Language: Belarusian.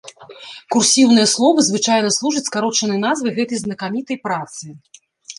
Курсіўныя словы звычайна служаць скарочанай назвай гэтай знакамітай працы.